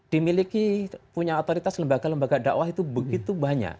dimiliki punya otoritas lembaga lembaga dakwah itu begitu banyak